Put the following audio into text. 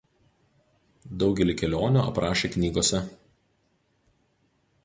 Daugelį kelionių aprašė knygose.